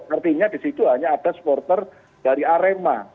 artinya disitu hanya ada supporter dari arema